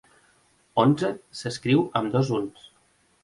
Onze s'escriu amb dos uns.